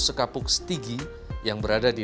sekapuk stigi yang berada di